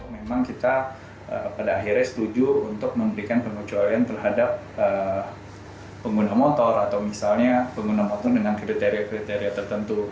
memang kita pada akhirnya setuju untuk memberikan pengecualian terhadap pengguna motor atau misalnya pengguna motor dengan kriteria kriteria tertentu